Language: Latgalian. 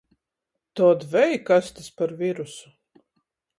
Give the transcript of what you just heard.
Tod vei, kas tys par virusu!